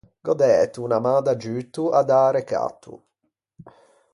Gh’ò dæto unna man d’aggiutto à dâ recatto.